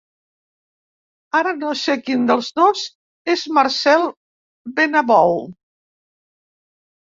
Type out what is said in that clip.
Ara no sé quin dels dos és Marcel Benabou.